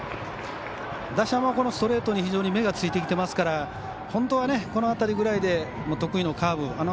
打者もストレートに非常に目がついてきてますから本当はこの辺りぐらいで得意のカーブを。